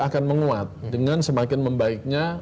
akan menguat dengan semakin membaiknya